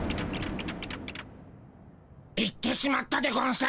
行ってしまったでゴンス。